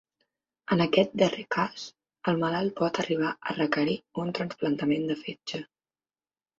En aquest darrer cas, el malalt pot arribar a requerir un trasplantament de fetge.